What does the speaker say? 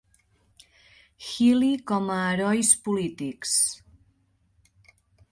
Healy com a herois polítics.